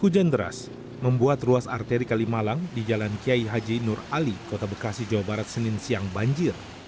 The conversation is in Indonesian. hujan deras membuat ruas arteri kalimalang di jalan kiai haji nur ali kota bekasi jawa barat senin siang banjir